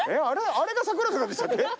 あれが『桜坂』でしたっけ？